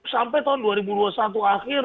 sampai tahun dua ribu dua puluh satu akhir